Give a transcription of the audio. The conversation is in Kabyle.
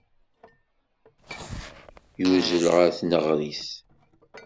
Yuzzel ɣer tneɣrit.